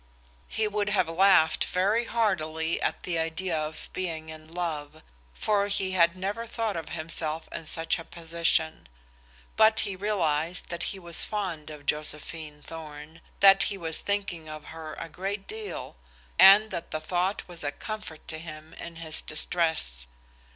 He would have laughed very heartily at the idea of being in love, for he had never thought of himself in such a position. But he realized that he was fond of Josephine Thorn, that he was thinking of her a great deal, and that the thought was a comfort to him in his distress.